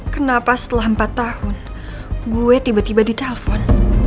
kenapa setelah empat tahun gue tiba tiba ditelepon